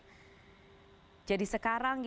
jadi sekarang yang akan disiapkan adalah